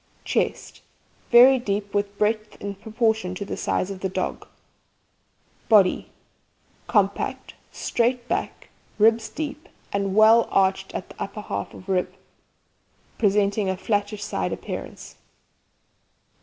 CHEST Very deep, with breadth in proportion to the size of the dog. BODY Compact, straight back, ribs deep and well arched in the upper half of rib, presenting a flattish side appearance.